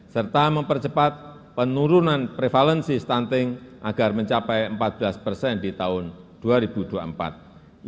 serta mempercepat penurunan prevalensi stunting agar mencapai empat belas persen di tahun ini